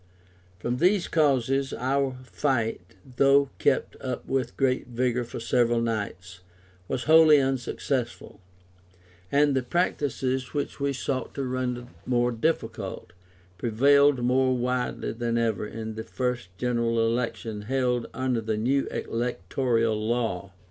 From these causes our fight, though kept up with great vigour for several nights, was wholly unsuccessful, and the practices which we sought to render more difficult, prevailed more widely than ever in the first General Election held under the new electoral law.